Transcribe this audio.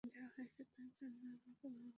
যা হয়েছে, তার জন্যে আমাকে মাপ কোরো।